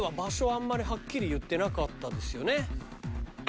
あんまりはっきり言ってなかったですよね？